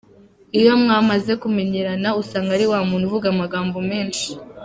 Iyo mwamaze kumenyerana usanga ari wa muntu uvuga amagambo menshi.